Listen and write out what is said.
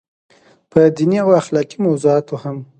پۀ ديني او اخلاقي موضوعاتو هم